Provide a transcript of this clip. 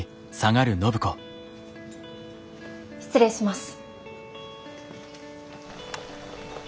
失礼します。